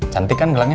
cantik kan gelangnya